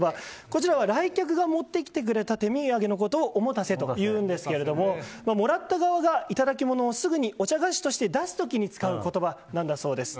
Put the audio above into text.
こちらは来客が持ってきてくれた手土産のことをおもたせと言うんですがもらった側が、いただきものをすぐにお茶菓子として出す時に使う言葉なんだそうです。